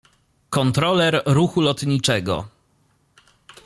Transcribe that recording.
Kontroler ruchu lotniczego.